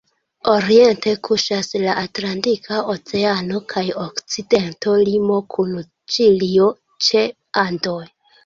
Oriente kuŝas la Atlantika Oceano kaj okcidento limo kun Ĉilio ĉe Andoj.